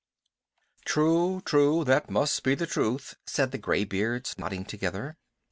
"True, true, that must be the truth," said the gray beards, nodding together.